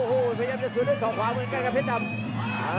โอ้โหพยายามจะสวนด้วยของขวาเหมือนกันครับเพชรดำ